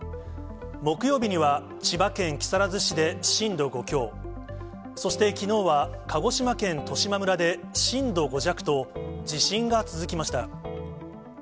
木曜日には、千葉県木更津市で震度５強、そしてきのうは、鹿児島県十島村で震度５弱と、地震が続きました。